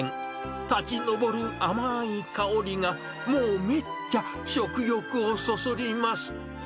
立ち上る甘い香りが、もうめっちゃ食欲をそそります。